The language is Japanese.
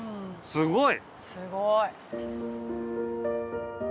すごい。